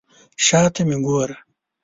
شا ته مه ګوره.